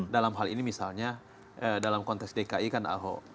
dalam hal ini misalnya dalam konteks dki kan ahok